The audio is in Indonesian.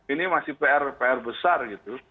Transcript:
ini masih pr pr besar gitu